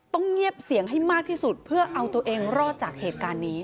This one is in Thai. ต้องเงียบเสียงให้มากที่สุดเพื่อเอาตัวเองรอดจากเหตุการณ์นี้